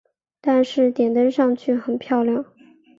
但是点灯上去很漂亮